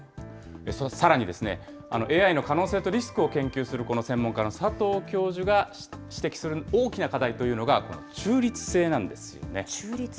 さらに、ＡＩの可能性とリスクを研究する専門家の佐藤教授が指摘する大きな課題というのが、中立性なんですよね。